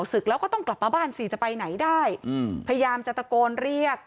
ศึกแล้วก็ต้องกลับมาบ้านสิจะไปไหนได้อืมพยายามจะตะโกนเรียก